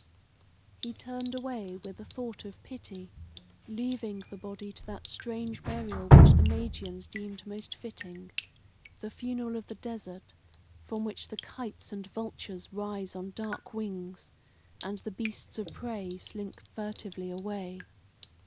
He turned away with a thought of pity, leaving the body to that strange burial which the Magians deemed most fitting the funeral of the desert, from which the kites and vultures rise on dark wings, and the beasts of prey slink furtively away.